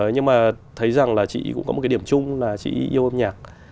nhưng mà thấy rằng là chị cũng có một cái điểm chung là chị yêu âm nhạc